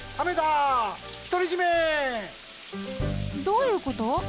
どういうこと？